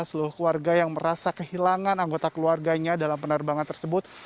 seluruh keluarga yang merasa kehilangan anggota keluarganya dalam penerbangan tersebut